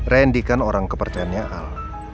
rendi kan orang kepercayaannya al